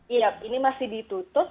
iya ini masih ditutup